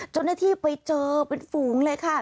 จนที่ไปเจอเป็นฝูงเลยค่ะ